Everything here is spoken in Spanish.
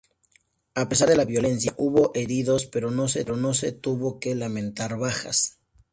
A pesar de la violencia, hubo heridos pero no se tuvo que lamentar bajas.